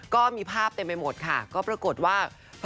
ก็มีภาพเต็มไปหมดค่ะก็ปรากฏว่า